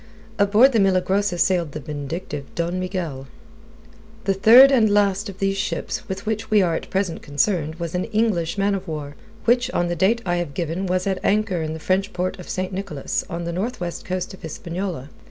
Aboard the Milagrosa sailed the vindictive Don Miguel. The third and last of these ships with which we are at present concerned was an English man of war, which on the date I have given was at anchor in the French port of St. Nicholas on the northwest coast of Hispaniola.